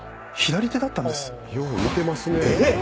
よう見てますねぇ。